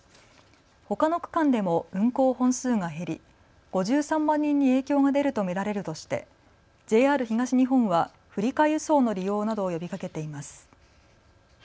ほかの区間でも運行本数が減り５３万人に影響が出ると見られるとしてＪＲ東日本は振り替え輸送の利用などを呼びかけています。